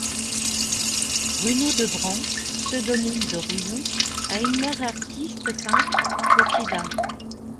Bruno Debrandt, pseudonyme de Rouillon, a une mère artiste peintre, potier d'art.